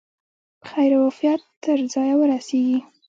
په خیر او عافیت تر ځایه ورسیږي.